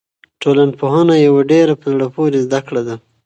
ټولنپوهنه یوه ډېره په زړه پورې زده کړه ده.